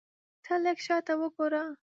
ته لږ شاته وګوره !